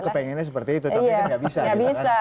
itu kepinginannya seperti itu tapi kan gak bisa